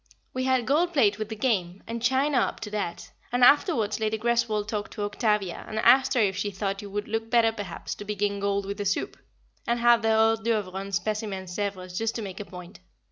We had gold plate with the game, and china up to that, and afterwards Lady Greswold talked to Octavia, and asked her if she thought it would look better perhaps to begin gold with the soup, and have the hors d'oeuvres on specimen Sèvres just to make a point.